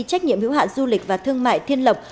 trách nhiệm hữu hạn du lịch và thương mại thiên lộc